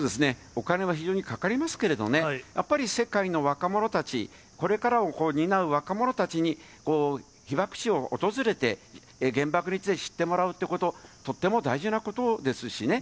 お金は非常にかかりますけどね、やっぱり世界の若者たち、これからを担う若者たちに被爆地を訪れて、原爆について知ってもらうということ、とっても大事なことですしね。